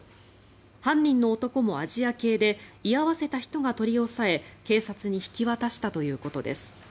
犯人の男もアジア系で居合わせた人が取り押さえ警察に引き渡したということです。